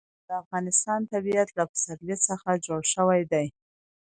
د افغانستان طبیعت له پسرلی څخه جوړ شوی دی.